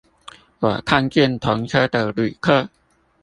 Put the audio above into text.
我看見同車的旅客